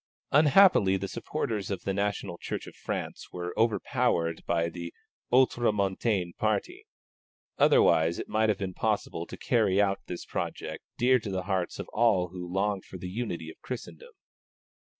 Unhappily the supporters of the National Church of France were overpowered by the Ultramontane party; otherwise it might have been possible to carry out this project dear to the hearts of all who long for the unity of Christendom.